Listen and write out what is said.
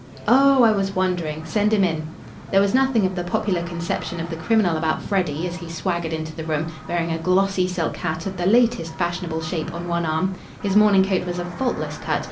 "Oh, I was wandering. Send him in." There was nothing of the popular conception of the criminal about Freddy as he swaggered into the room, bearing a glossy silk hat of the latest fashionable shape on one arm. His morning coat was of faultless cut.